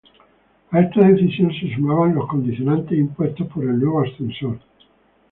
A esta decisión se sumaba los condicionante impuestos por el nuevo ascensor.